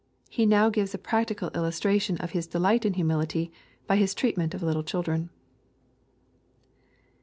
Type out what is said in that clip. He now gives a practical il lustration of His delight in humility, by His treatment of little children.